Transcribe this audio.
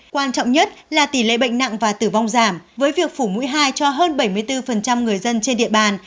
quan trọng nhất là tỷ lệ bệnh nặng và tử vong giảm với việc phủ mũi hai cho hơn bảy mươi bốn người dân trên địa bàn